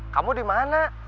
kamu di mana